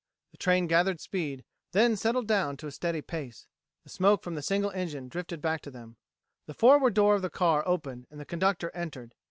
The train gathered speed, then settled down to a steady pace. The smoke from the engine drifted back to them. The forward door of the car opened and the conductor entered.